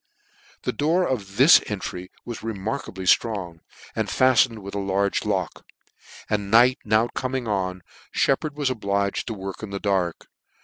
The door of this entry was remarkably ftrong, and fattened with a large lock ; and night BOW coming on, *Shep pard was obliged to work in the dark.